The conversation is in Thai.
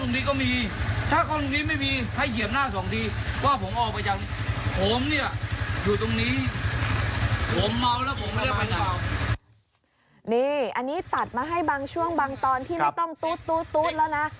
นี่อันนี้ตัดมาให้บางช่วงบางตอนที่ไม่ต้องตู๊ดแล้วนะ